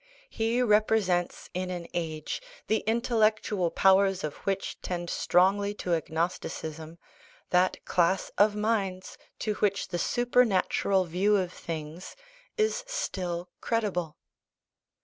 He represents, in an age, the intellectual powers of which tend strongly to agnosticism, that class of minds to which the supernatural view of things is still credible.